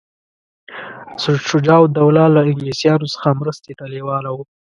شجاع الدوله له انګلیسیانو څخه مرستې ته لېواله وو.